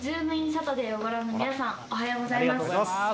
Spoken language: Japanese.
サタデーをご覧の皆さん、おはようございます。